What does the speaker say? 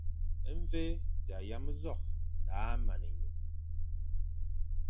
E mvi é yama nzokh daʼa man enyum.